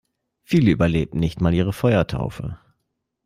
Viele überlebten nicht mal ihre Feuertaufe.